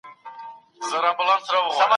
بهرنۍ پالیسي بریالۍ وه.